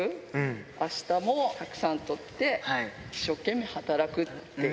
あしたもたくさん取って、一生懸命働くって。